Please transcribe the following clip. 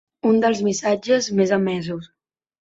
Un dels missatges més emesos.